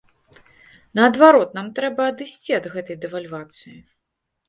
Наадварот, нам трэба адысці ад гэтай дэвальвацыі.